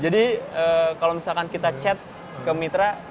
jadi kalau misalkan kita chat ke mitra